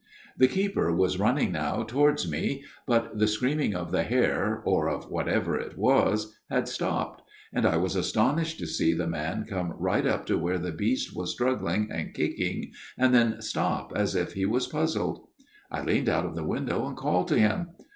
" The keeper was running now towards me ; but the screaming of the hare, or of whatever it was, had stopped ; and I was astonished to see the man come right up to where the beast was struggling and kicking, and then stop as if he was puzzled. " I leaned out of the window and called to him.